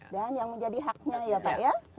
dan yang menjadi haknya ya pak